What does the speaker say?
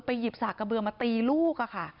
ไปหยิบสากเกบือมาตีลูก